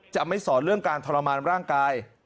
จะไม่สอนเรื่องการทรมานร่างกาย